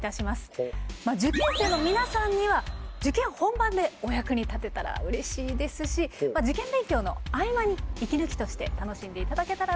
受験生の皆さんには受験本番でお役に立てたらうれしいですし受験勉強の合間に息抜きとして楽しんでいただけたらと思います。